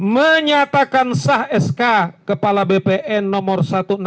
menyatakan sah sk kepala bpn nomor satu ratus enam puluh